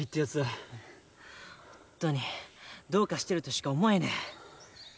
本当にどうかしてるとしか思えねえ。